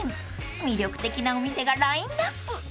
［魅力的なお店がラインアップ］